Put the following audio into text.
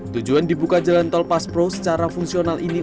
tujuan dibuka jalan tol pas pro secara fungsional ini